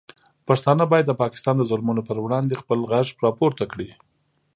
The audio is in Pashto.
پښتانه باید د پاکستان د ظلمونو پر وړاندې خپل غږ راپورته کړي.